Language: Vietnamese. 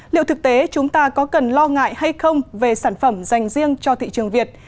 liệu thực tế chúng ta có cần lo ngại hay không về sản phẩm dành riêng cho thị trường việt